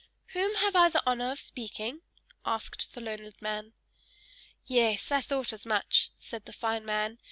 "Whom have I the honor of speaking?" asked the learned man. "Yes! I thought as much," said the fine man.